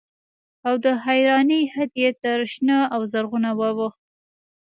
او د حيرانۍ حد يې تر شنه او زرغونه واوښت.